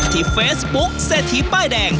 ที่เฟซบุ๊กเซทีปป้ายแดง